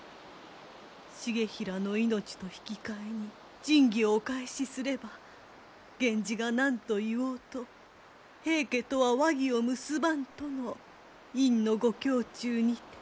「重衡の命と引き換えに神器をお返しすれば源氏が何と言おうと平家とは和議を結ばんとの院のご胸中にて」。